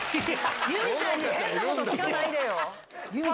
佑美ちゃんに変なこと聞かないでよ！